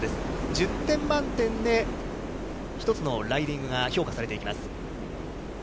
１０点満点で１つのライディングが評価されていきます。